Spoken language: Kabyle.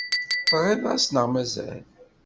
Teɣriḍ-as neɣ mazal?